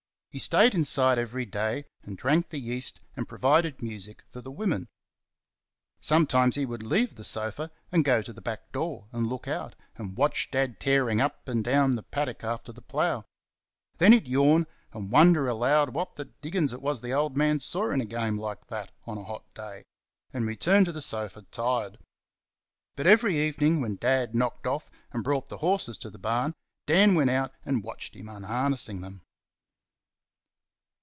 He stayed inside every day, and drank the yeast, and provided music for the women. Sometimes he would leave the sofa, and go to the back door and look out, and watch Dad tearing up and down the paddock after the plough; then he'd yawn, and wonder aloud what the diggins it was the old man saw in a game like that on a hot day; and return to the sofa, tired. But every evening when Dad knocked off and brought the horses to the barn Dan went out and watched him unharnessing them.